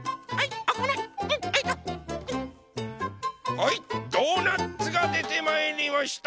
はいドーナツがでてまいりました！